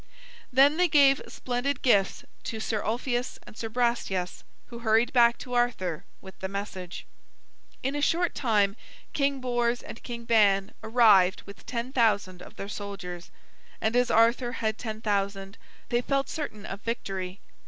Then they gave splendid gifts to Sir Ulfius and Sir Brastias, who hurried back to Arthur with the message. In a short time King Bors and King Ban arrived with ten thousand of their soldiers, and as Arthur had ten thousand, they felt certain of victory.